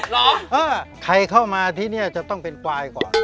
ใครเข้ามาที่นี่จะต้องเป็นควายก่อน